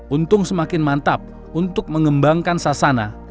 untung semakin mantap untuk mengembangkan sasana